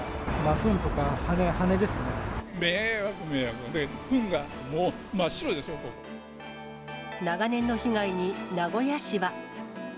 ふんがもう、長年の被害に名古屋市は。